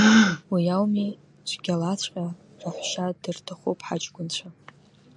Уи ауми, цәгьалаҵәҟьа раҳәшьа дырҭахуп ҳаҷкәынцәа.